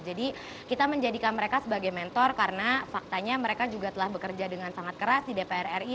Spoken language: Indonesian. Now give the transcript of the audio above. jadi kita menjadikan mereka sebagai mentor karena faktanya mereka juga telah bekerja dengan sangat keras di dpr ri